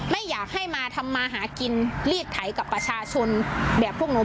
ไม่อยากให้มาทำมาหากินรีดไถกับประชาชนแบบพวกหนู